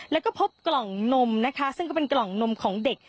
แล้วก็พบกล่องนมนะคะซึ่งก็เป็นกล่องนมของเด็ก